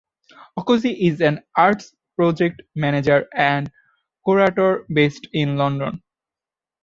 Okojie is an Arts Project Manager and Curator based in London.